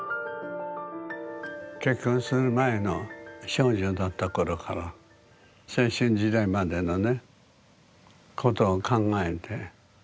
結婚する前の少女だった頃から青春時代までのねことを考えて。